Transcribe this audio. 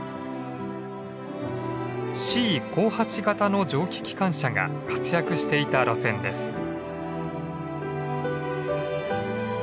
Ｃ５８形の蒸気機関車が活躍していた路線です。